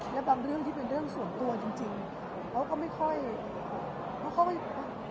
และบางเรื่องที่เป็นเรื่องส่วนตัวจริงเขาก็ไม่ค่อย